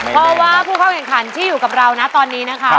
เพราะว่าผู้เข้าแข่งขันที่อยู่กับเรานะตอนนี้นะคะ